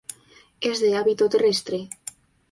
Es de hábito terrestre.